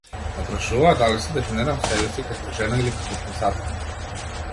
Ме прашуваа дали се дефинирам себе си како жена или како писателка.